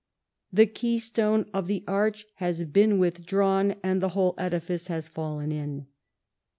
The keystone of the arch has been withdrawn, and the whole edifice has fallen in.